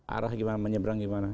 arah menyeberang gimana